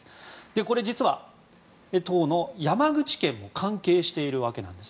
これ実は、当の山口県も関係しているわけです。